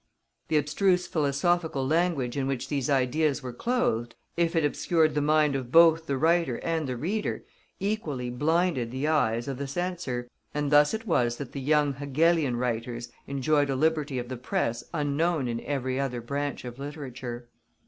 The abstruse philosophical language in which these ideas were clothed, if it obscured the mind of both the writer and the reader, equally blinded the eyes of the censor, and thus it was that the "young Hegelian" writers enjoyed a liberty of the Press unknown in every other branch of literature.